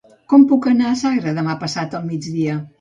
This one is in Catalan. Com puc anar a Sagra demà passat al migdia?